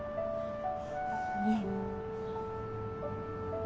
いえ。